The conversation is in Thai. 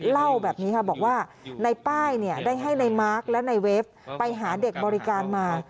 เล่าแบบนี้ค่ะบอกว่าในป้ายได้ให้ในมาร์คและในเวฟไปหาเด็กบริการมา